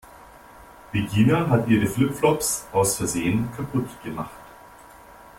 Regina hat ihre Flip-Flops aus Versehen kaputt gemacht.